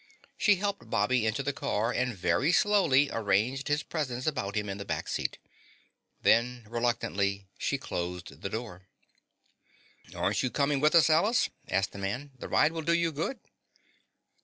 She helped Bobby into the car and very slowly arranged his presents about him in the back seat. Then, reluctantly, she closed the door. "Aren't you coming with us, Alice?" asked the man. "The ride will do you good."